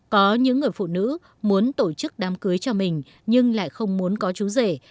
có những người phụ nữ muốn tổ chức đám cưới cho mình nhưng lại không muốn có chú rể